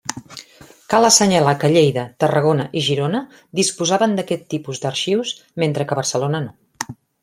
Cal assenyalar que Lleida, Tarragona i Girona disposaven d'aquest tipus d'arxius mentre que Barcelona no.